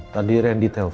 tadi randy telpon